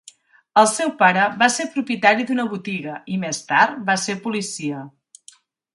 El seu pare va ser propietari d'una botiga i més tard, va ser policia.